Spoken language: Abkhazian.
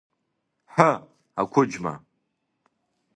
Ҳы, ақәыџьма!